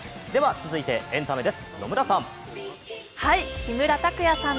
続いてエンタメです、野村さん。